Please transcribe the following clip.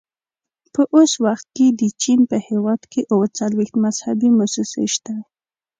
په اوس وخت کې د چین په هېواد کې اووه څلوېښت مذهبي مؤسسې شته.